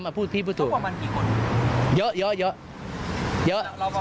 อ่ะพี่พูดสูงเขาประมาณกี่คนเยอะเยอะเยอะเยอะเราประมาณ